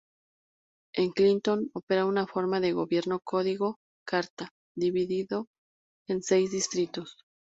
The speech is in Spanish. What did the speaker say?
En Clinton opera una forma de gobierno Código Carta, dividido en seis distritos.